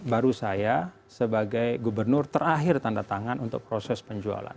baru saya sebagai gubernur terakhir tanda tangan untuk proses penjualan